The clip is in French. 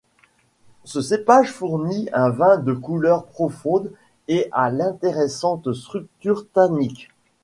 Ce cépage fournit un vin de couleur profonde et à l’intéressante structure tannique.